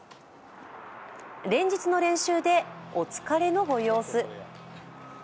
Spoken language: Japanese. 連日の練習で疲れのご様子。